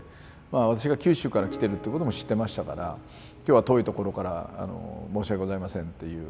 私が九州から来てるってことも知ってましたから「今日は遠いところから申し訳ございません」っていう。